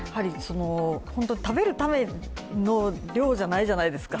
本当に食べるための量じゃないじゃないですか。